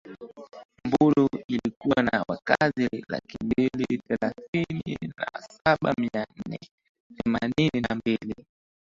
Mbulu ilikuwa na wakazi laki mbili thelathini na saba mia nane themanini na mbili